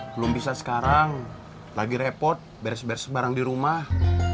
belum bisa sekarang lagi repot beres beres bareng di rumah